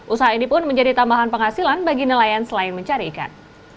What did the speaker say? usaha ini pun menjadi tambahan penghasilan bagi nelayan selain mencari ikan